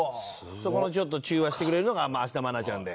そこのちょっと中和してくれるのが芦田愛菜ちゃんで。